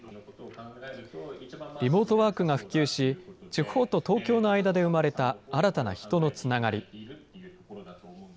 リモートワークが普及し、地方と東京の間で生まれた新たな人のつながり。